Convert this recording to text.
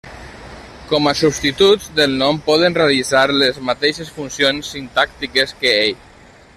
Com a substituts del nom poden realitzar les mateixes funcions sintàctiques que ell.